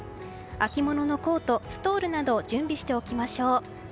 秋物のコート、ストールなどを準備しておきましょう。